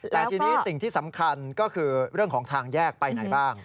แต่ทีนี้สิ่งที่สำคัญก็คือเรื่องของทางแยกไปไหนบ้าง